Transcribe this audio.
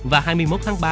và hai mươi một tháng ba